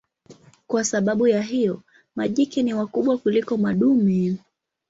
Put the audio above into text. Kwa sababu ya hiyo majike ni wakubwa kuliko madume.